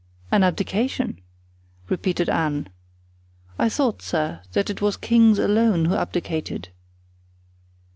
"An abdication?" repeated Anne; "I thought, sir, that it was kings alone who abdicated!"